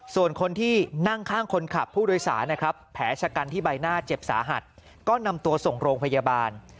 ส่วนคนที่นั่งข้างคนขับผู้โดยสารนะครับแผลชะกันที่ใบหน้าเจ็บสาหัสก็นำตัวส่งโรงพยาบาล